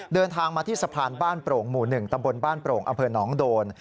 เดินทางมาที่สะพานบ้านโปร่งหมู่๑ตำบลบ้านโปร่งอำเภอหนองโดน